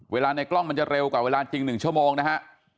ในกล้องมันจะเร็วกว่าเวลาจริง๑ชั่วโมงนะฮะ